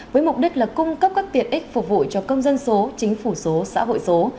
với mục đích là cung cấp các tiện ích phục vụ cho công dân số chính phủ số xã hội số